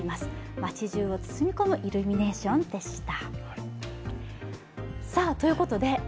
街じゅうを包み込むイルミネーションでした。